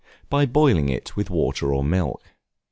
By boiling it with water or milk.